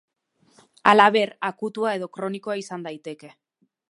Halaber, akutua edo kronikoa izan daiteke.